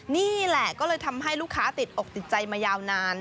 นี่แหละก็เลยทำให้ลูกค้าติดอกติดใจมายาวนาน